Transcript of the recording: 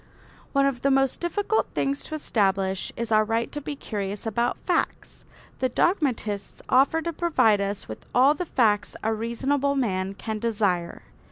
One of the most difficult things to establish is our right to be curious about facts. The dogmatists offer to provide us with all the facts a reasonable man can desire.